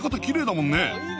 きれいだもんね